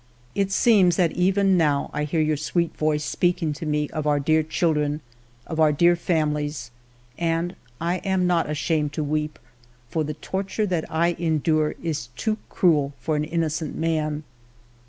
It seems that even now I hear your sweet voice speaking to me of my dear children, of our dear families, and I am not ashamed to weep, for the torture that I endure is too cruel for an innocent man.